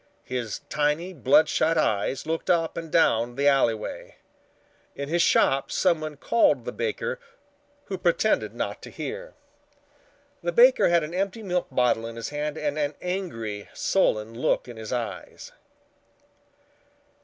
His tiny bloodshot eyes looked up and down the alleyway. In his shop someone called the baker, who pretended not to hear. The baker had an empty milk bottle in his hand and an angry sullen look in his eyes.